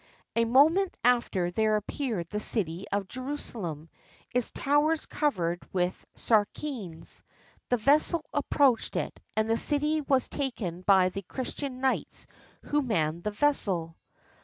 A moment after there appeared the city of Jerusalem; its towers covered with Saracens. The vessel approached it, and the city was taken by the Christian knights who manned the vessel.